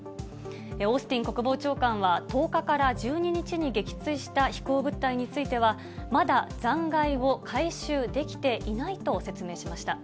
オースティン国防長官は、１０日から１２日に撃墜した飛行物体については、まだ残骸を回収できていないと説明しました。